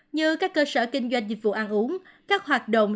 như các cơ sở kinh doanh dịch vụ ăn uống các hoạt động